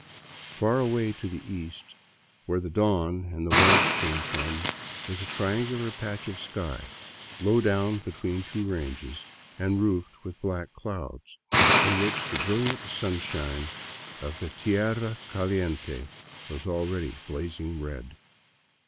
Far away to the east, where the dawn and the warmth come from, was a triangular patch of sky, low down between two ranges and roofed with black clouds, in which the brilliant sun shine of the tierra caliente was already blazing red.